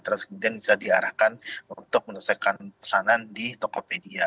terus kemudian bisa diarahkan untuk menyelesaikan pesanan di tokopedia